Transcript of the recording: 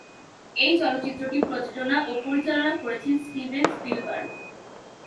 এই চলচ্চিত্রটি প্রযোজনা ও পরিচালনা করেছেন স্টিভেন স্পিলবার্গ।